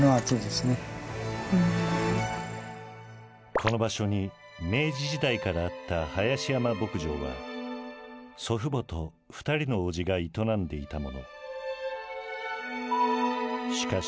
この場所に明治時代からあった林山牧場は祖父母と２人の伯父が営んでいたもの。